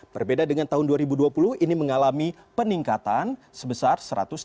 berbeda dengan tahun dua ribu dua puluh ini mengalami peningkatan sebesar satu ratus dua puluh